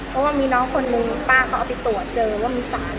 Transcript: เพราะว่ามีน้องคนนึงป้าเขาเอาไปตรวจเจอว่ามีสาร